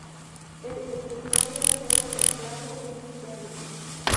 El eyector de acero templado es interno.